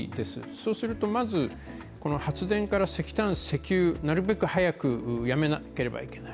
そうすると発電から石炭、石油、なるべく早くやめなければいけない。